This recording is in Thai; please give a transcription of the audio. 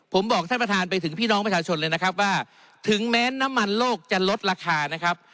ผมบอกท่านประธานไปถึงพี่น้องประชาชนเลยนะครับว่าถึงแม้น้ำมันโลกจะลดราคานะครับ